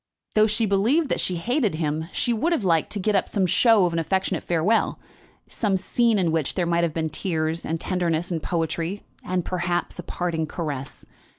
Though she believed that she hated him, she would have liked to get up some show of an affectionate farewell, some scene in which there might have been tears, and tenderness, and poetry, and, perhaps, a parting caress.